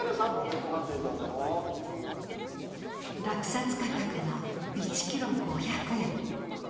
落札価格は１ｋｇ５００円。